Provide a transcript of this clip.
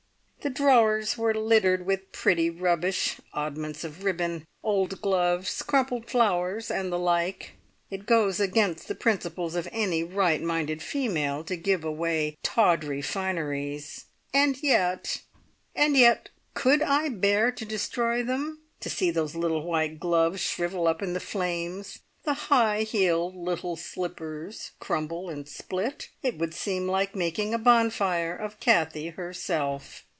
The drawers were littered with pretty rubbish oddments of ribbon, old gloves, crumpled flowers, and the like. It goes against the principles of any right minded female to give away tawdry fineries, and yet and yet Could I bear to destroy them? To see those little white gloves shrivel up in the flames, the high heeled little slippers crumple and split? It would seem like making a bonfire of Kathie herself.